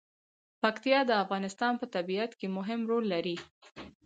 پکتیا د افغانستان په طبیعت کې مهم رول لري.